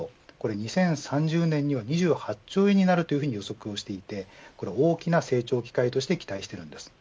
２０３０年には２８兆円になると予測していて、大きな成長機会として期待しています。